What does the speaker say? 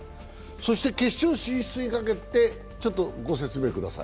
そして決勝進出にかけてご説明ください。